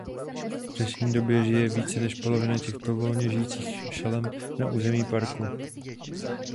V dnešní době žije více než polovina těchto volně žijících šelem na území parku.